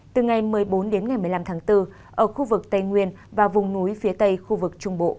từ ngày một mươi bốn đến ngày một mươi năm tháng bốn ở khu vực tây nguyên và vùng núi phía tây khu vực trung bộ